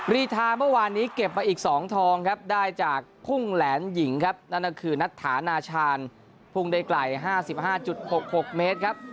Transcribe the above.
รีทาเมื่อวานนี้เก็บมาอีก๒ทองครับได้จากพุ่งแหลนหญิงครับนั่นก็คือนัทธานาชาญพุ่งได้ไกล๕๕๖๖เมตรครับ